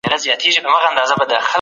څنګه ټولنيز عدالت تامين کړو؟